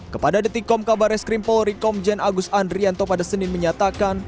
kepada detikom kabar reskrim polri komjen agus andrianto pada senin menyatakan